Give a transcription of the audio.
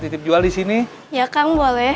titip jual di sini ya kang boleh